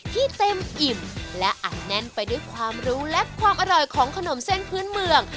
ที่เต็มอิ่มและอัดแน่นไปด้วยความรู้และความอร่อยของขนมเส้นพื้นเมือง